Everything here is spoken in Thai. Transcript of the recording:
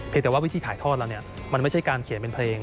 เพียงแต่ว่าวิธีถ่ายทอดแล้วมันไม่ใช่การเขียนเป็นเพลง